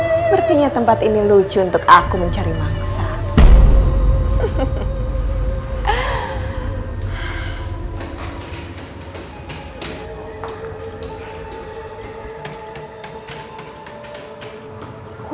sepertinya tempat ini lucu untuk aku mencari mangsa